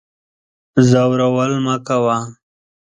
ځورول مکوه